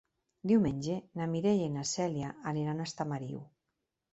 Diumenge na Mireia i na Cèlia aniran a Estamariu.